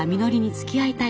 つきあいたい。